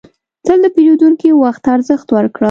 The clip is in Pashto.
تل د پیرودونکي وخت ته ارزښت ورکړه.